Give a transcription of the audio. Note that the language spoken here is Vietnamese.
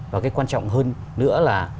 và cái quan trọng hơn nữa là